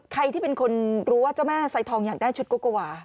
ใครที่เป็นคนรู้ว่าเจ้าแม่ไซทองอยากได้ชุดโกโกวา